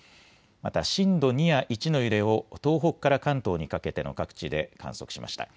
また震度２や１の揺れを東北から関東にかけての各地で観測しました。